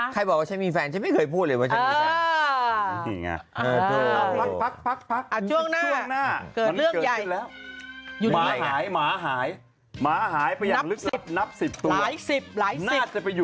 แต่มันแบบหลายเดือนอะไรอย่างนี้อุ๊ย